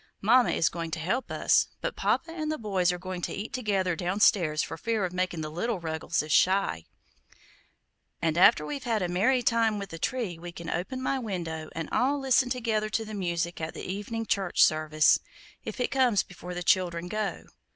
Mama is going to help us, but Papa and the boys are going to eat together down stairs for fear of making the little Ruggleses shy; and after we've had a merry time with the tree we can open my window and all listen together to the music at the evening church service, if it comes before the children go.